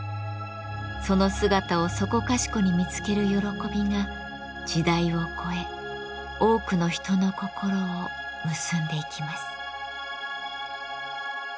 その姿をそこかしこに見つける喜びが時代を超え多くの人の心を結んでいきます。